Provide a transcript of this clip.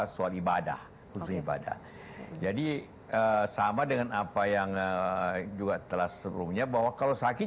soal ibadah khusus ibadah jadi sama dengan apa yang juga telah sebelumnya bahwa kalau sakit